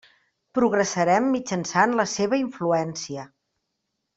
Progressarem mitjançant la seva influència.